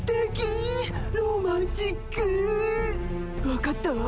分かったわ。